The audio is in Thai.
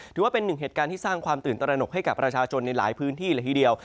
ถือว่าเป็นหนึ่งเหตุการณ์ที่สร้างความตื่นตระหนกให้กับประชาชนในหลายพื้นที่เลยทีเดียว